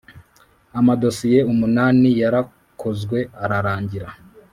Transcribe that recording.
amadosiye umunani yarakozwe ararangira;